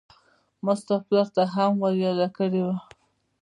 ما ستا پلار ته هم ور ياده کړې وه.